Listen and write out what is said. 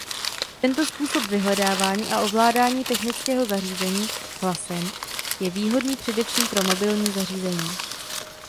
Tento způsob vyhledávání a ovládání technického zařízení hlasem je výhodný především pro mobilní zařízení.